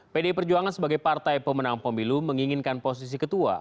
pdi perjuangan sebagai partai pemenang pemilu menginginkan posisi ketua